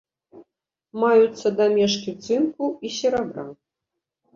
Маюцца дамешкі цынку і серабра.